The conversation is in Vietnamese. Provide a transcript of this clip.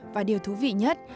và điều thú vị nhất